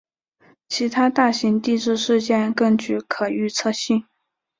其他大型地质事件更具可预测性。